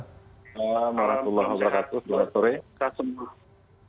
selamat malam selamat sore